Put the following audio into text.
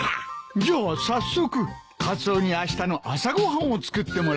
じゃあ早速カツオにあしたの朝ご飯を作ってもらおうかな。